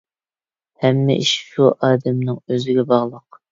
ھەممە ئىش شۇ ئادەمنىڭ ئۆزىگە باغلىق.